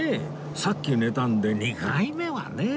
さっき寝たんで２回目はね